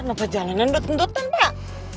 kenapa jalanan dut dut dutan pak